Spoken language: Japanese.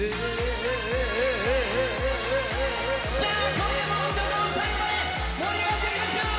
今夜も最後まで盛り上がっていきましょう！